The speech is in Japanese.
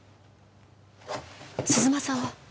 鈴間さんは？